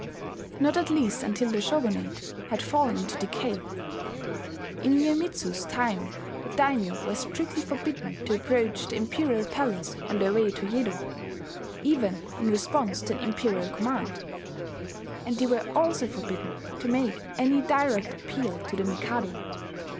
Not at least until the shogunate had fallen into decay. In Iyemitsu's time the daimyo were strictly forbidden to approach the imperial palace on their way to Yedo, even in response to an imperial command; and they were also forbidden to make any direct appeal to the Mikado.